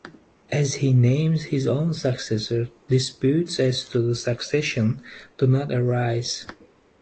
As he names his own successor, disputes as to the succession do not arise.